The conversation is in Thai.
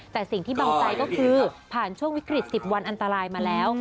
แต่สิ่งที่บังใจก็คือผ่านช่วงวิกฤต๑๐วันอันตรายมาแล้ว